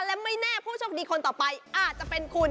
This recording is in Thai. และไม่แน่ผู้โชคดีคนต่อไปอาจจะเป็นคุณ